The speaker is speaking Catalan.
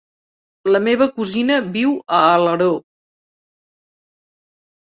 La meva cosina viu a Alaró.